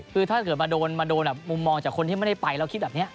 คือถ้าเกิดมาโดนมุมมองจากคนที่ไม่ได้ไปแล้วคิดแบบนี้